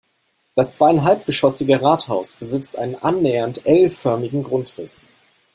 Das zweieinhalbgeschossige Rathaus besitzt einen annähernd L-förmigen Grundriss.